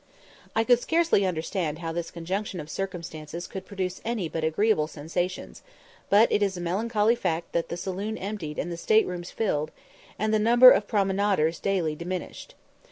I could scarcely understand how this conjunction of circumstances could produce any but agreeable sensations; but it is a melancholy fact that the saloon emptied and the state rooms filled, and the number of promenaders daily diminished.